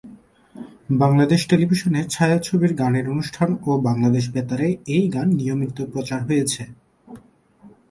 বাংলাদেশ টেলিভিশনের ছায়াছবির গানের অনুষ্ঠান ও বাংলাদেশ বেতারে এই গান নিয়মিত প্রচার হয়েছে।